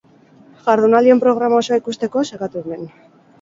Jardunaldien programa osoa ikusteko, sakatu hemen.